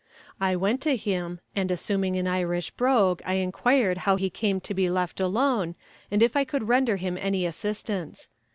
I went to him, and assuming the Irish brogue, I inquired how he came to be left alone, and if I could render him any assistance.